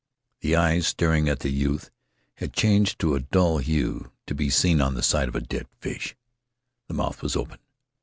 The eyes, staring at the youth, had changed to the dull hue to be seen on the side of a dead fish. The mouth was open.